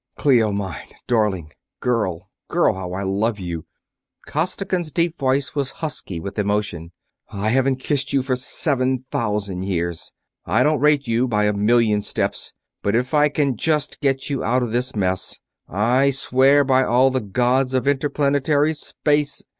"Clio mine ... darling ... girl, girl, how I love you!" Costigan's deep voice was husky with emotion. "I haven't kissed you for seven thousand years! I don't rate you, by a million steps; but if I can just get you out of this mess, I swear by all the gods of interplanetary space...."